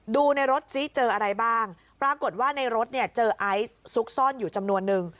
ดูในรถซิเจออะไรบ้างปรากฏว่าในรถเนี่ยเจอไอซ์ซุกซ่อนอยู่จำนวนนึง